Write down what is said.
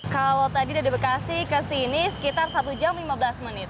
kalo tadi dari bekasi kesini sekitar satu jam lima belas menit